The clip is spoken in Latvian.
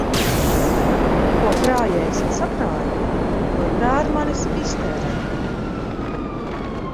Ko krājējs sakrāj, to tērmanis iztērē.